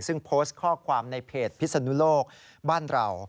ซึ่งโพสต์ข้อความในเพจพิศนุโลกบ้านเรา